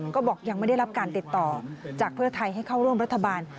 ก็บอกยังไม่ได้รับการติดต่อจากเพื่อไทยให้เข้าร่วมรัฐบาล